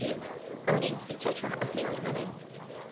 Earnings, etc., of Married Women.